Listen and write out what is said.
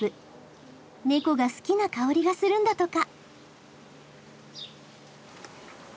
猫が好きな香りがするんだとか。